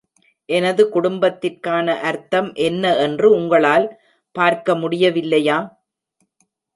எனது குடும்பத்திற்கான அர்த்தம் என்ன என்று உங்களால் பார்க்க முடியவில்லையா?